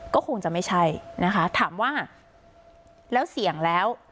ก็คงจะไม่ใช่นะคะถามว่าแล้วเสี่ยงแล้ว